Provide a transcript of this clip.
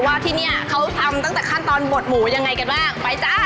ที่นี่เขาทำตั้งแต่ขั้นตอนบดหมูยังไงกันบ้างไปจ้า